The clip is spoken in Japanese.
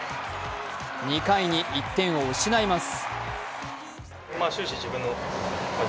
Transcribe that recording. ２回に１点を失います。